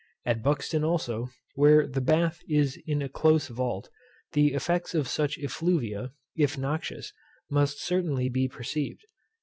At Buxton also, where the Bath is in a close vault, the effects of such effluvia, if noxious, must certainly be perceived.